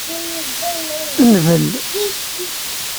Ndel.